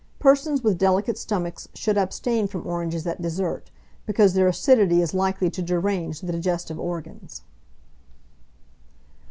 Persons with delicate stomachs should abstain from oranges at dessert, because their acidity is likely to derange the digestive organs.